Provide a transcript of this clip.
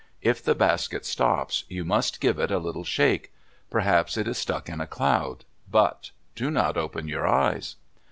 If the basket stops, you must give it a little shake. Perhaps it is stuck in a cloud. But do not open your eyes."